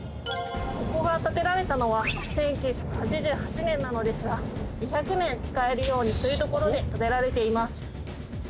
ここが建てられたのは１９８８年なのですが２００年使えるようにというところで建てられています